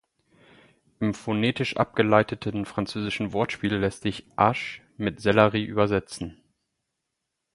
Im phonetisch abgeleiteten französischen Wortspiel lässt sich "ache" mit "Sellerie" übersetzen.